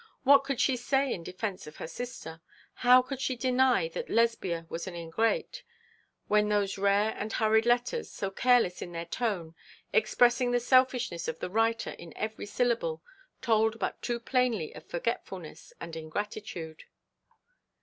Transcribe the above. What could she say in defence of her sister? How could she deny that Lesbia was an ingrate, when those rare and hurried letters, so careless in their tone, expressing the selfishness of the writer in every syllable, told but too plainly of forgetfulness and ingratitude?